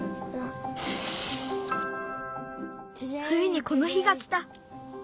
ついにこの日がきた。